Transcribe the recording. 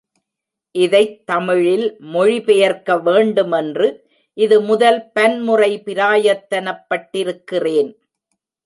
இதைத் தமிழில் மொழி பெயர்க்க வேண்டுமென்று இது முதல் பன்முறை பிரயத்தனப்பட்டிருக்கிறேன்.